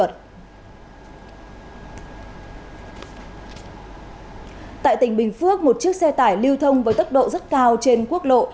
tại tỉnh bình phước một chiếc xe tải lưu thông với tốc độ rất cao trên quốc lộ